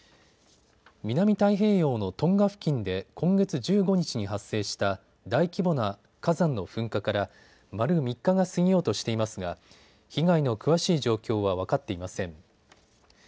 南太平洋のトンガ付近で今月１５日に発生した大規模な火山の噴火から丸３日が過ぎようとしていますが被害の詳しい状況は分かっていません。